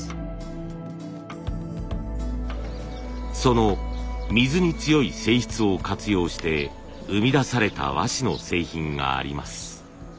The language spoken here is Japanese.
その水に強い性質を活用して生み出された和紙の製品があります。